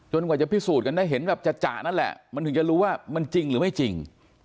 กว่าจะพิสูจน์กันได้เห็นแบบจะนั่นแหละมันถึงจะรู้ว่ามันจริงหรือไม่จริง